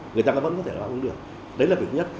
người ta vẫn có thể đáp ứng được đấy là việc thứ nhất